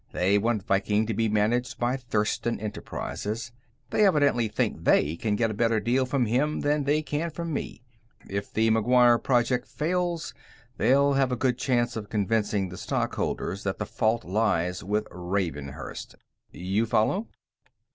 They want Viking to be managed by Thurston Enterprises; they evidently think they can get a better deal from him than they can from me. If the McGuire project fails, they'll have a good chance of convincing the stock holders that the fault lies with Ravenhurst. You follow?"